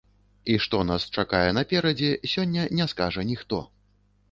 І што нас чакае наперадзе, сёння не скажа ніхто.